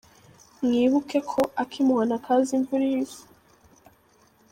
Mwibuke ko “akimuhana kaza imvura ihise”.